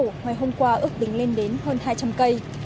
ngày hôm qua ước tính lên đến hơn hai trăm linh cây